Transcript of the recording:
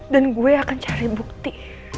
dan gue akan cari bukti